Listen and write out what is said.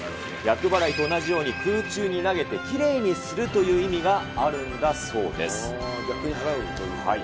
厄払いと同じように、空中に投げてきれいにするという意味があるんだそうです。